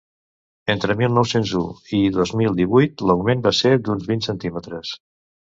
Entre mil nou-cents u i dos mil divuit, l’augment va ser d’uns vint centímetres.